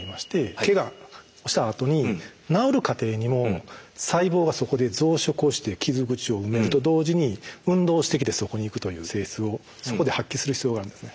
けがしたあとに治る過程にも細胞がそこで増殖をして傷口を埋めると同時に運動してきてそこに行くという性質をそこで発揮する必要があるんですね。